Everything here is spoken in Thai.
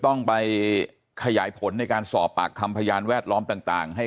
ต้องไปขยายผลในการสอบปากคำพยานแวดล้อมต่างให้